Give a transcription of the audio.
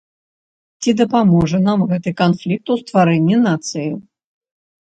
Ці дапаможа нам гэты канфлікт у стварэнні нацыі?